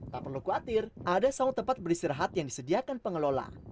tak perlu khawatir ada saung tempat beristirahat yang disediakan pengelola